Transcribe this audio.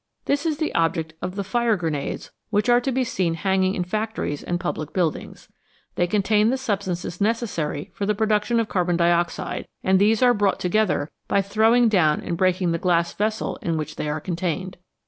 This is the object of the fire grenades which are to be seen hanging in factories and public buildings. They contain the substances necessary for the production of carbon dioxide, and these 86 ACIDS AND ALKALIS are brought together by throwing down and breaking the glass vessel in which they are contained.